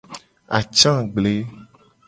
Atsa gble.